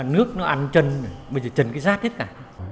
nước nó ăn chân bây giờ chân cái rát hết cả